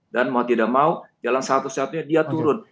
dan mau tidak mau jalan satu satunya dia turun